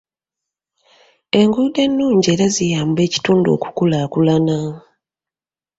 Enguudo ennungi era ziyamba ekitundu okukulaakulana.